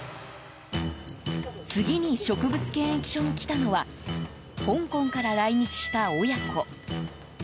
次に植物検疫所に来たのは香港から来日した親子。